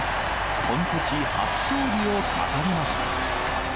本拠地初勝利を飾りました。